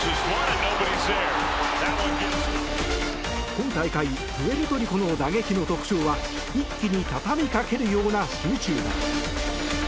今大会、プエルトリコの打撃の特徴は一気に畳みかけるような集中打。